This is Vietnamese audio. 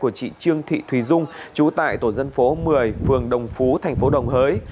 của chị trương thị thùy dung chú tại tổ dân phố một mươi phường đồng phú tp đồng hới